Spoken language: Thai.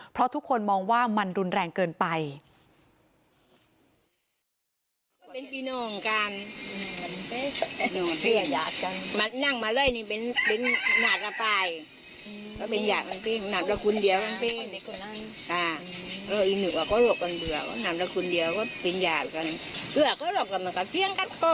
เพราะทุกคนมองว่ามันรุนแรงเกินไป